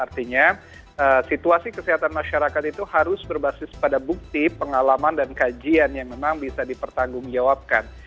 artinya situasi kesehatan masyarakat itu harus berbasis pada bukti pengalaman dan kajian yang memang bisa dipertanggungjawabkan